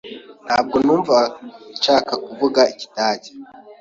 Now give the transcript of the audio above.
Ntabwo numva nshaka kuvuga Ikidage.